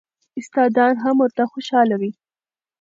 استادان هم ورته خوشاله وي.